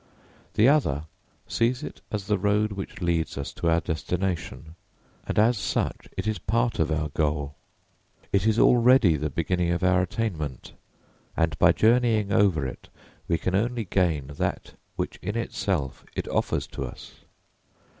The other sees it as the road which leads us to our destination; and as such it is part of our goal. It is already the beginning of our attainment, and by journeying over it we can only gain that which in itself it offers to us.